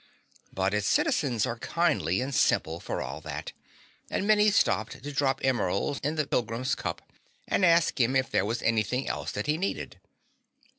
But its citizens are kindly and simple, for all that, and many stopped to drop emeralds in the pilgrim's cup and ask him if there was anything else that he needed.